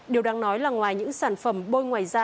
điều đáng nói là ngoài những sản phẩm bôi ngoài da